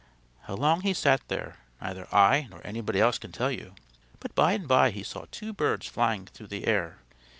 How long he sat there, neither I nor anybody else can tell you, but by and by he saw two birds flying through the air.